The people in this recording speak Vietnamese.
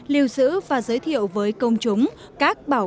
lưu giữ và giới thiệu với công chúng các bảo tàng